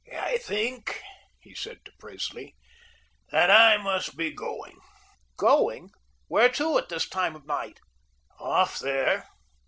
"I think," he said to Presley, "that I must be going." "Going? Where to at this time of night?" "Off there."